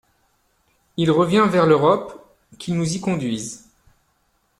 Il revient vers l’Europe, qu’il nous y conduise.